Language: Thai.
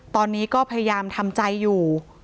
ตอนนี้ก็พยายามทำใจอยู่